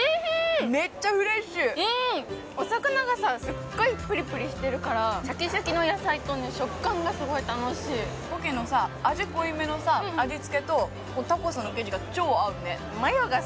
お魚がさすっごいプリプリしてるからシャキシャキの野菜とね食感がすごい楽しいポケのさ味濃いめのさ味付けとタコスの生地が超合うねマヨがさ